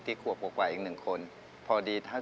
คุณหมอบอกว่าเอาไปพักฟื้นที่บ้านได้แล้ว